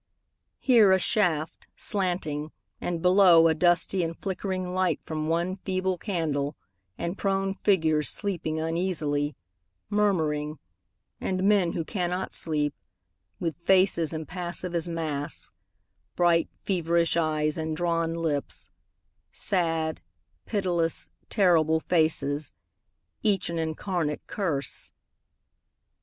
Here a shaft, slanting, and below A dusty and flickering light from one feeble candle And prone figures sleeping uneasily, Murmuring, And men who cannot sleep, With faces impassive as masks, Bright, feverish eyes, and drawn lips, Sad, pitiless, terrible faces, Each an incarnate curse.